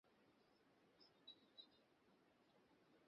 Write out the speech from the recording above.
সেখানে যাত্রা বিরতি করলে আমি বললাম, এ ধর্মের লোকদের মাঝে সর্বশ্রেষ্ঠ কে?